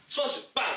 バン。